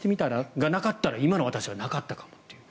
がなかったら今の私はなかったかもという。